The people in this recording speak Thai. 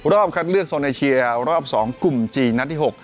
รอบคัดเลือกโซนเอเชียรอบ๒กลุ่มจีนนัดที่๖